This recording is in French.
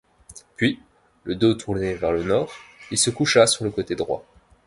Puis, le dos tourné vers le nord, il se coucha sur le côté droit.